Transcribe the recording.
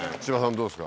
どうですか？